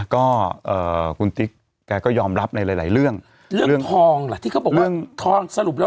ก็เอ่อคุณติ๊กแกก็ยอมรับในหลายหลายเรื่องเรื่องทองล่ะที่เขาบอกว่าทองสรุปแล้ว